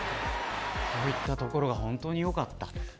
こういったところが本当によかった。